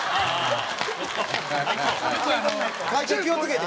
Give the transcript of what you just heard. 会長気を付けて！